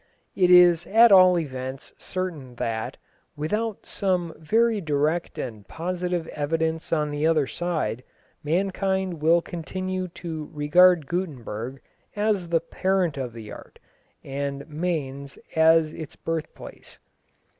It is at all events certain that, without some very direct and positive evidence on the other side, mankind will continue to regard Gutenberg as the parent of the art, and Mainz as its birthplace."